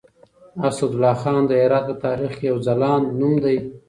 اسدالله خان د هرات په تاريخ کې يو ځلاند نوم دی.